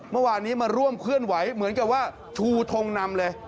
เมื่อวานนี้มาร่วมเคลื่อนไหวเหมือนกับว่าชูทงนำเลย